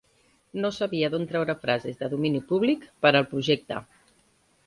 No sabia d'on treure frases de domini public per al projecte.